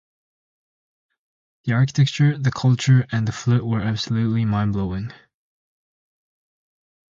The architecture, the culture, and the food were absolutely mind-blowing.